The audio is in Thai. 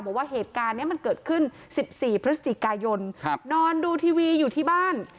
บอกว่าเหตุการณ์นี้มันเกิดขึ้น๑๔พฤศจิกายนนอนดูทีวีอยู่ที่บ้าน